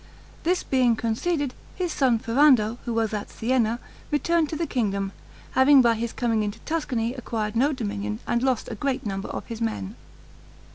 This being conceded, his son Ferrando, who was at Sienna, returned to the kingdom, having by his coming into Tuscany acquired no dominion and lost a great number of his men.